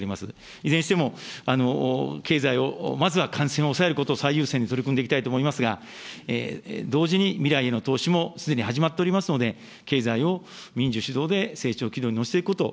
いずれにしても経済をまずは感染を抑えることを最優先に取り組んでいきたいと思いますが、同時に未来への投資もすでに始まっておりますので、経済を民需主導で成長軌道に乗せていくこと。